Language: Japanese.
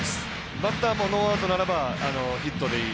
バッターもノーアウトならばヒットでいい。